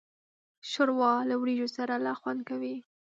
ښوروا له وریجو سره لا خوند کوي.